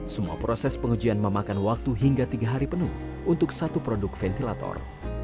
semua proses pengujian memakan waktu hingga tiga hari penuh untuk satu produk ventilator